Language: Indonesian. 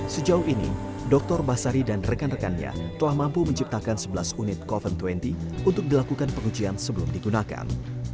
sejauh ini dr basari dan rekan rekannya telah mampu menciptakan sebelas unit coven dua puluh untuk dilakukan pengujian sebelum digunakan